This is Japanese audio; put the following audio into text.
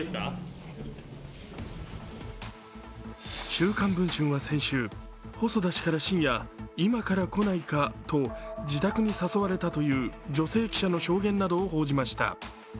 「週刊文春」は先週、細田氏から深夜、「今から来ないか」と自宅に誘われたという女性記者の証言などを報じました。